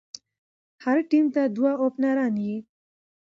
هر ټيم ته دوه اوپنران يي.